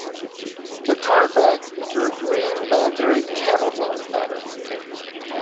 The card backs feature a green military camouflage pattern.